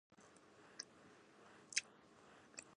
ده د شخړو حل د خبرو له لارې غوښت.